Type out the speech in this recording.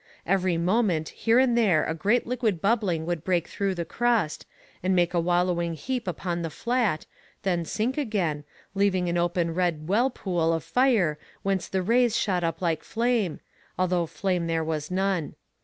Every moment here and there a great liquid bubbling would break through the crust, and make a wallowing heap upon the flat, then sink again, leaving an open red well pool of fire whence the rays shot up like flame, although flame there was none.